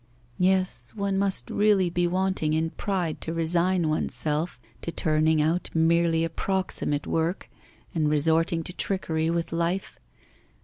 'Yes, one must really be wanting in pride to resign oneself to turning out merely approximate work and resorting to trickery with life.